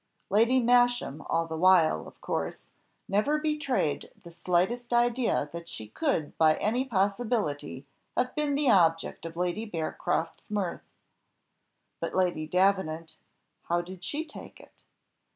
Lady Masham all the while, of course, never betrayed the slightest idea that she could by any possibility have been the object of Lady Bearcroft's mirth. But Lady Davenant how did she take it?